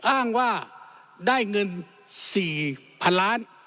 อ้างว่าได้เงิน๔๐๐๐ล้าน